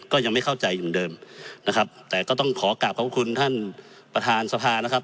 ก็ยังไม่เข้าใจเหมือนเดิมนะครับแต่ก็ต้องขอกลับขอบคุณท่านประธานสภานะครับ